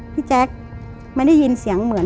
พี่แจ๊คมันได้ยินเสียงเหมือน